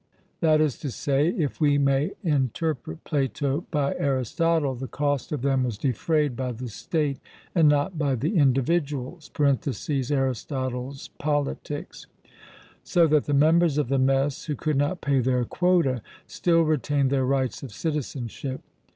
that is to say, if we may interpret Plato by Aristotle, the cost of them was defrayed by the state and not by the individuals (Arist. Pol); so that the members of the mess, who could not pay their quota, still retained their rights of citizenship.